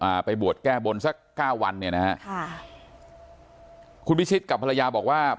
ไปบวชแก้บนสักเก้าวันเนี่ยนะฮะค่ะคุณพิชิตกับภรรยาบอกว่า